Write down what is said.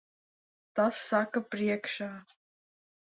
Tas saka priekšā.